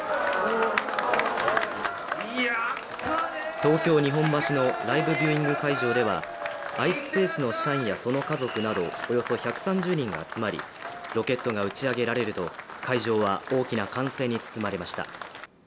東京・日本橋のライブビューイング会場ではｉｓｐａｃｅの社員やその家族などおよそ１３０人が集まりロケットが打ち上げられると会場は大きな歓声に包まれました。